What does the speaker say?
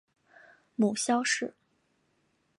母萧氏。